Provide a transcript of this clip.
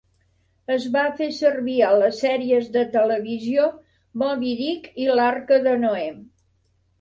Es va fer servir a les sèries de televisió "Moby Dick" i "L'Arca de Noè".